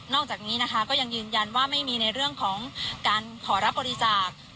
จากนี้นะคะก็ยังยืนยันว่าไม่มีในเรื่องของการขอรับบริจาค